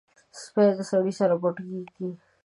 سپي د سړي سره پټ کېږي.